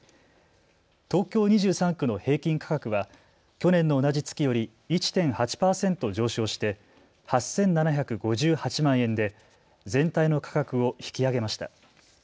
東京２３区の平均価格は去年の同じ月より１．８％上昇して８７５８万円で全体の価格を引き上げました。